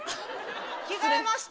着替えました！